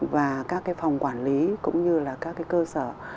và các cái phòng quản lý cũng như là các cái cơ sở